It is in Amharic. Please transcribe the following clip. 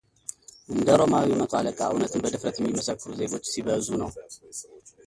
እንደ ሮማዊው መቶ አለቃ እውነትን በድፍረት የሚመሰክሩ ዜጎች ሲበዙ ነው።